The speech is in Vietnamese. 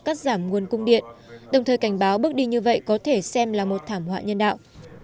cắt giảm nguồn cung điện đồng thời cảnh báo bước đi như vậy có thể xem là một thảm họa nhân đạo